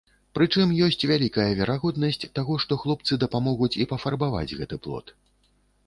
Прычым ёсць вялікая верагоднасць таго, што хлопцы дапамогуць і пафарбаваць гэты плот.